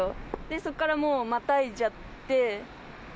そこからもう、またいじゃって。